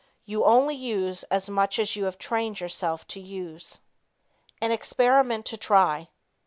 You only use as much as you have trained yourself to use. An Experiment to Try.